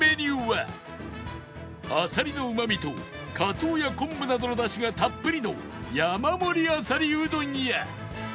あさりのうまみとかつおや昆布などのだしがたっぷりの山盛りあさりうどんや